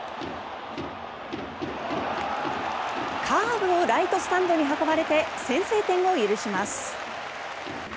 カーブをライトスタンドに運ばれて先制点を許します。